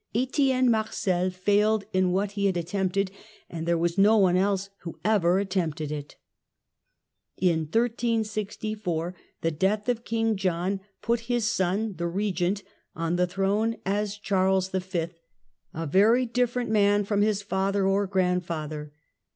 Etienne Marcel failed in what he had attempted, but there was no one else who even attempted it. Charles v., In 1364 the death of King John put his son, the 1364 80 j^pggnt, on the throne as Charles V., a very different man from his father or grandfather.